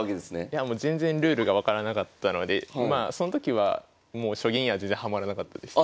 いやもう全然ルールが分からなかったのでその時は将棋には全然ハマらなかったです。